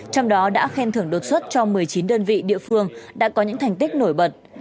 trong đó đã khen thưởng đột xuất cho một mươi chín đơn vị địa phương đã có những thành tích nổi bật